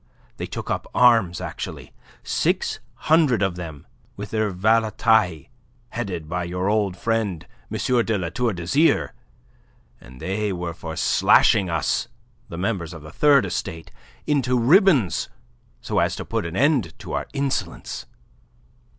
They took up arms actually six hundred of them with their valetaille, headed by your old friend M. de La Tour d'Azyr, and they were for slashing us the members of the Third Estate into ribbons so as to put an end to our insolence."